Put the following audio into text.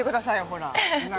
ほら。